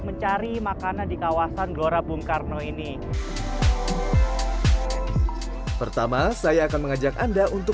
mencari makanan di kawasan glora bung karno ini pertama saya akan mengajak anda untuk